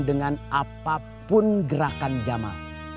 dengan apapun gerakan jamal